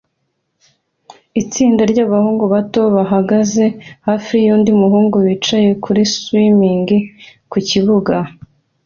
itsinda ryabahungu bato bahagaze hafi yundi muhungu bicaye kuri swing ku kibuga